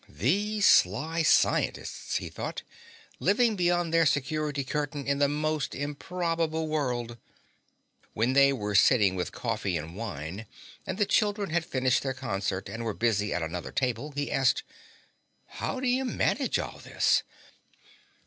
These sly scientists, he thought, living behind their security curtain in the most improbable world! When they were sitting with coffee and wine, and the children had finished their concert and were busy at another table, he asked, "How do you manage all this?"